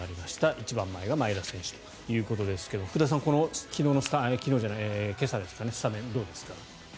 一番前が前田選手ということですが福田さん、今朝のスタメンどうですか？